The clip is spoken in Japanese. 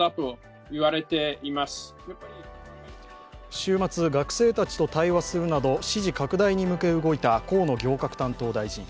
週末、学生たちと対話するなど支持拡大に向け、動いた河野行革担当大臣。